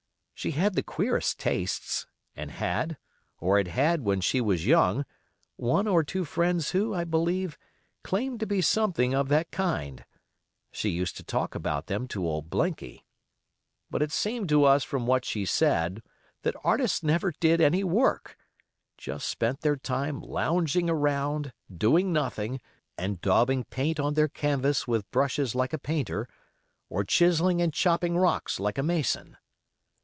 She had the queerest tastes, and had, or had had when she was young, one or two friends who, I believe, claimed to be something of that kind; she used to talk about them to old Blinky. But it seemed to us from what she said that artists never did any work; just spent their time lounging around, doing nothing, and daubing paint on their canvas with brushes like a painter, or chiselling and chopping rocks like a mason.